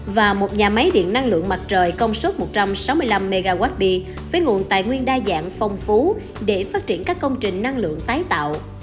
và một nhà máy điện năng lượng mặt trời công suất một trăm sáu mươi năm mwp với nguồn tài nguyên đa dạng phong phú để phát triển các công trình năng lượng tái tạo